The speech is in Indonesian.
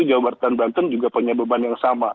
jawa barat dan banten juga punya beban yang sama